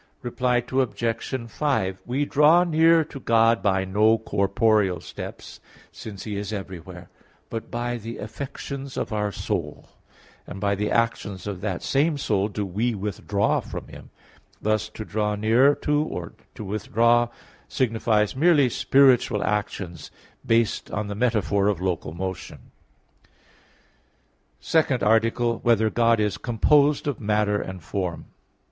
Reply Obj. 5: We draw near to God by no corporeal steps, since He is everywhere, but by the affections of our soul, and by the actions of that same soul do we withdraw from Him; thus, to draw near to or to withdraw signifies merely spiritual actions based on the metaphor of local motion. _______________________ SECOND ARTICLE [I, Q. 3, Art. 2] Whether God Is Composed of Matter and Form?